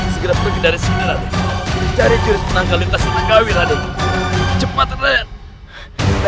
mengapa bisa terjadi ibu unda